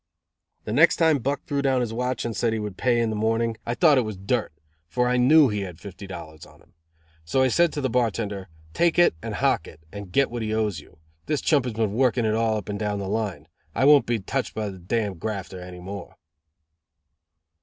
The next time Buck threw down his watch and said he would pay in the morning, I thought it was dirt, for I knew he had fifty dollars on him. So I said to the bartender: "Take it and hock it, and get what he owes you. This chump has been working it all up and down the line. I won't be touched by the d grafter any more."